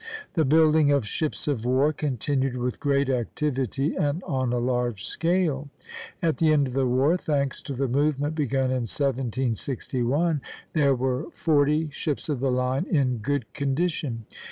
The building of ships of war continued with great activity and on a large scale. At the end of the war, thanks to the movement begun in 1761, there were forty ships of the line in good condition.